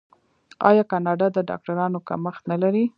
آیا کاناډا د ډاکټرانو کمښت نلري؟